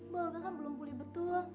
mbak olga kan belum pulih betul